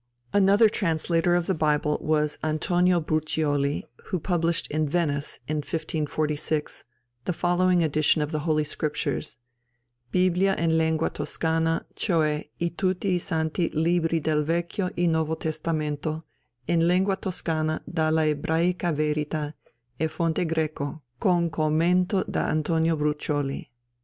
Another translator of the Bible was Antonio Bruccioli, who published in Venice, in 1546, the following edition of the Holy Scriptures: _Biblia en lengua toscana, cioë, i tutti i santi libri del vecchio y Novo Testamento, in lengua toscana, dalla hebraica verita, e fonte greco, con commento da Antonio Bruccioli_.